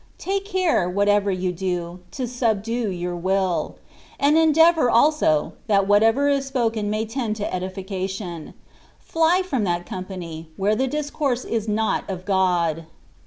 Tike care^ whatever yon do, to sabdae toot will : and endem Tonr also, that whatever is spoken may tatid to edification: fly from that company, whore the disconrae is not of God.